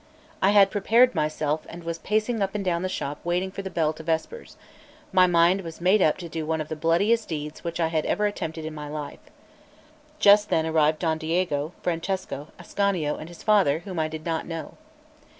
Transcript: I had prepared myself, and was pacing up and down the shop waiting for the bell to vespers; my mind was made up to do one of the bloodiest deeds which I had ever attempted in my life. Just then arrived Don Diego, Francesco, Ascanio, and his father, whom I did not know.